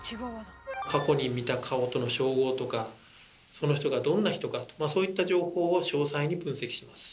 過去に見た顔との照合とかその人がどんな人かとそういった情報を詳細に分析します。